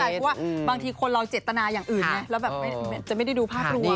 เพราะว่าบางทีคนเราเจตนาอย่างอื่นไงแล้วแบบจะไม่ได้ดูภาพรวม